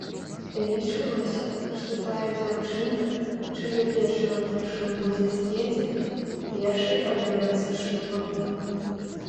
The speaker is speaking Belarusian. Лічылася, што тая дзяўчына, чыё печыва першым будзе з'едзена, першай абярэцца шлюбам.